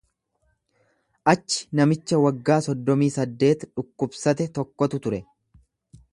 Achi namicha waggaa soddomii saddeet dhukkubsate tokkotu ture.